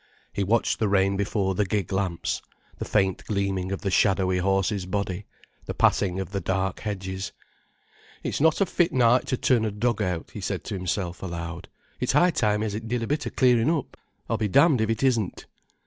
He watched the rain before the gig lamps, the faint gleaming of the shadowy horse's body, the passing of the dark hedges. "It's not a fit night to turn a dog out," he said to himself, aloud. "It's high time as it did a bit of clearing up, I'll be damned if it isn't.